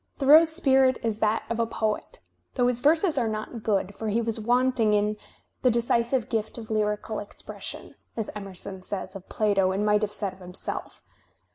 Thoreau's spirit is that of a poet, though his verses are not good, for he was wanting in "the decisive gift of lyrical expression," as Emerson says of Plato and might have said of himself.